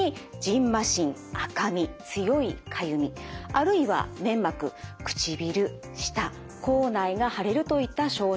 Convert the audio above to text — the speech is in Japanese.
あるいは粘膜唇舌口内が腫れるといった症状が出ます。